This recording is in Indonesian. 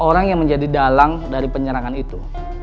orang yang menjadi dalang dari penyerangan itu